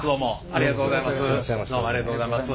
ありがとうございます。